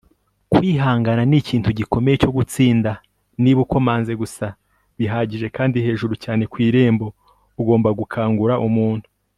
kwihangana nikintu gikomeye cyo gutsinda. niba ukomanze gusa bihagije kandi hejuru cyane ku irembo, ugomba gukangura umuntu